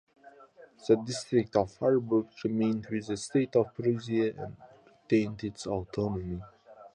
The District of Harburg remained with the State of Prussia and retained its autonomy.